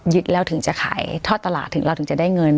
แล้วถึงจะขายทอดตลาดถึงเราถึงจะได้เงิน